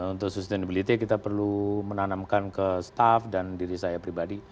untuk sustainability kita perlu menanamkan ke staff dan diri saya pribadi